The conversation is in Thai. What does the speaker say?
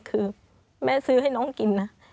คือแม่ซื้อให้น้องกินนะ